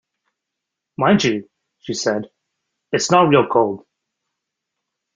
Mind you, she said, it's not real gold.